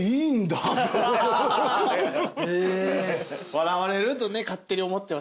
笑われるとね勝手に思ってましたけど。